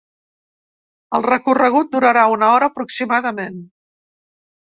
El recorregut durarà una hora aproximadament.